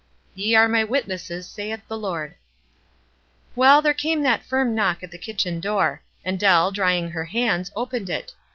"Ye arc my witnesses, saith the Lord." Well, there came that firm knock at the kitchen door, and Dell, drying her hands, opened it.